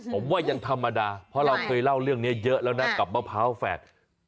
ผมว่ายังธรรมดาเพราะเราเคยเล่าเรื่องนี้เยอะแล้วนะกับมะพร้าวแฝก